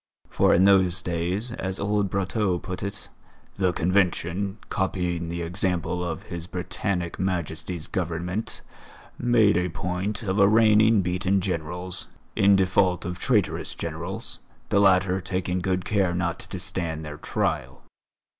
For in those days, as old Brotteaux put it, "the Convention, copying the example of His Britannic Majesty's Government, made a point of arraigning beaten Generals, in default of traitorous Generals, the latter taking good care not to stand their trial.